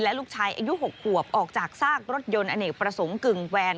ลูกชายอายุ๖ขวบออกจากซากรถยนต์อเนกประสงค์กึ่งแวน